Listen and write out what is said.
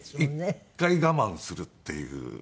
一回我慢するっていう。